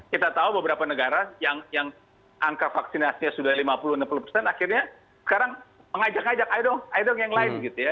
kita tahu beberapa negara yang angka vaksinasinya sudah lima puluh enam puluh akhirnya sekarang mengajak ajak ayo dong yang lain